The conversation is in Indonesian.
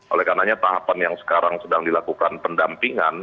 oleh karenanya tahapan yang sekarang sedang dilakukan pendampingan